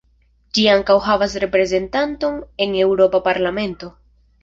Ĝi ankaŭ havas reprezentanton en Eŭropa Parlamento.